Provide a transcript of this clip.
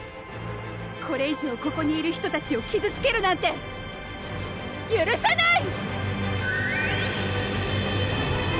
これ以上ここにいる人たちを傷つけるなんて許さない！